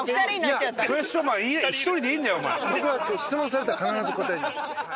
僕は質問されたら必ず答える。